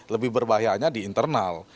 lebih berbahayanya di internal